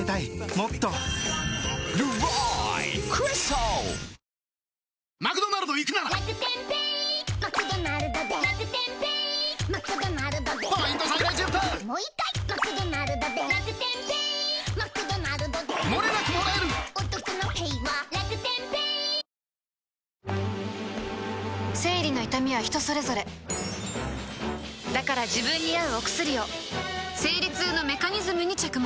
もっと「ＤＲＹＣＲＹＳＴＡＬ」生理の痛みは人それぞれだから自分に合うお薬を生理痛のメカニズムに着目